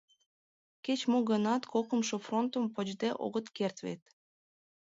— Кеч-мо гынат, кокымшо фронтым почде огыт керт вет?